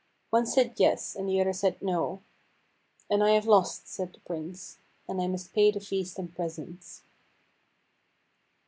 One said 'Yes,' and the other said 'No'; and I have lost," said the Prince, "and must pay the feast and presents."